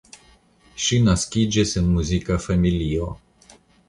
Ŝi naskiĝis en muzika familio.